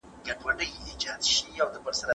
ایا ته غواړې چې له ما سره بل ځای ته لاړ شې؟